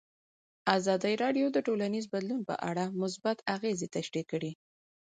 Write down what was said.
ازادي راډیو د ټولنیز بدلون په اړه مثبت اغېزې تشریح کړي.